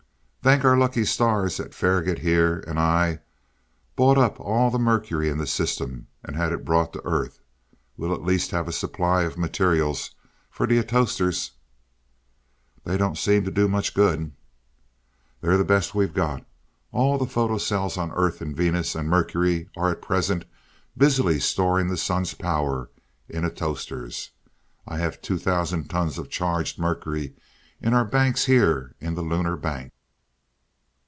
"Thank our lucky stars that Faragaut here, and I, bought up all the mercury in the system, and had it brought to Earth. We at least have a supply of materials for the atostors." "They don't seem to do much good." "They're the best we've got. All the photocells on Earth and Venus and Mercury are at present busy storing the sun's power in atostors. I have two thousand tons of charged mercury in our tanks here in the 'Lunar Bank.'"